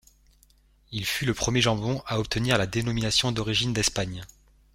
Il fut le premier jambon à obtenir la dénomination d'origine d'Espagne.